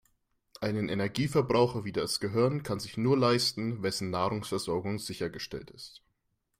Einen Energieverbraucher wie das Gehirn kann sich nur leisten, wessen Nahrungsversorgung sichergestellt ist.